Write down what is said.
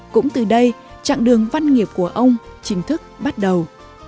cũng từ đây chặng đường văn nghiệp của ông chính thức bắt đầu